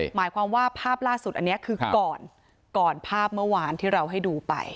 หมายความว่าภาพล่าสุดอันนี้คือก่อนก่อนภาพเมื่อวานที่เราให้ดูไป